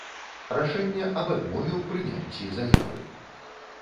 Рашэнне аб адмове ў прыняццi заявы.